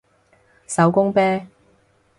手工啤